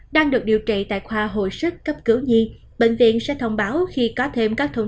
đang được điều trị tại khoa hồi sức cấp cứu nhi bệnh viện sẽ thông báo khi có thêm các thông